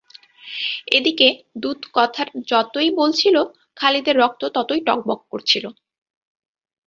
এদিকে দূত কথা যতই বলছিল খালিদের রক্ত ততই টগবগ করছিল।